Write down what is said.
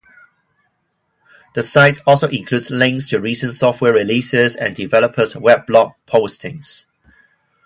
The site also includes links to recent software releases and developers' weblog postings.